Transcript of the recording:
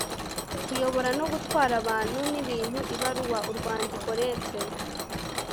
kuyobora no gutwara abantu n'ibintuibaruwa / urwandiko letter